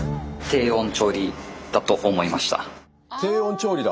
低温調理だ。